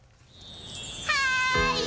はい！